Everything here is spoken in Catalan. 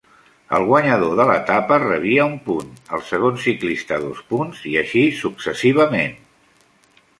El guanyador de l'etapa rebia un punt, el segon ciclista dos punts i així successivament.